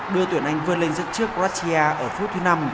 đưa tuyển anh vươn lên dẫn trước quartia ở phút thứ năm